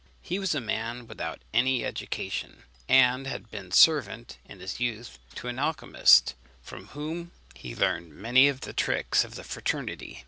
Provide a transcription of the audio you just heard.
He was a man without any education, and had been servant in his youth to an alchymist, from whom he learned many of the tricks of the fraternity.